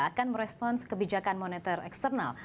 akan merespons kebijakan moneter eksternal